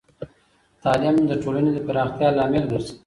تعلیم د ټولنې د پراختیا لامل ګرځی.